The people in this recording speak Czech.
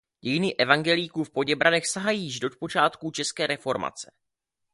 Dějiny evangelíků v Poděbradech sahají již do počátků české reformace.